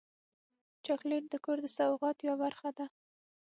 چاکلېټ د کور د سوغات یوه برخه ده.